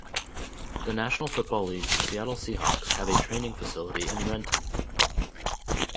The National Football League's Seattle Seahawks have a training facility in Renton.